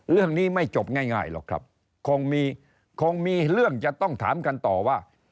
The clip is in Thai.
เรื่องนี้ไม่จบง่ายหรอกครับคงมีคงมีเรื่องจะต้องถามกันต่อว่า